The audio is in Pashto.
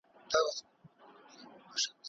آیا موټر تر بایسکل چټک دی؟